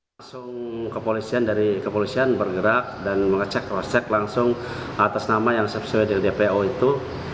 langsung kepolisian dari kepolisian bergerak dan mengecek cross check langsung atas nama yang sesuai dengan dpo itu